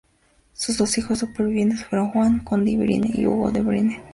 Sus dos hijos supervivientes fueron Juan, conde de Brienne, y Hugo de Brienne.